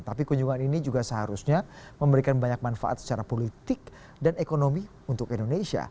tapi kunjungan ini juga seharusnya memberikan banyak manfaat secara politik dan ekonomi untuk indonesia